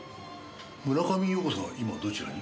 村上陽子さんは今どちらに？